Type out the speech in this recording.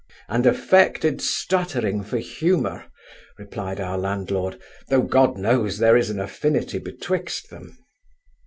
'And affected stuttering for humour: replied our landlord, tho', God knows, there is an affinity betwixt them.